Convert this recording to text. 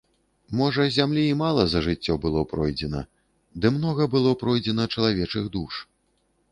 Можа зямлі і мала за жыццё было пройдзена, ды многа было пройдзена чалавечых душ.